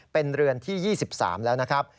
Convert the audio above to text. เป็นเรือนที่๒๓แล้วนะครับ